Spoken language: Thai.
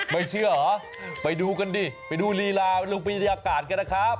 ไม่เชื่อเหรอไปดูกันดิไปดูลีลารูปวิทยากาศกันนะครับ